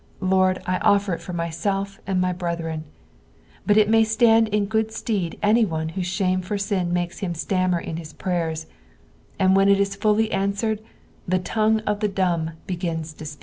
Lord, I offer it for myself and my brethren. But it may atand in good stead iiny one whose shame tor sin makes him stammer in hia prayers, and when it is fully answered, the tongue of the dumb begins to sing.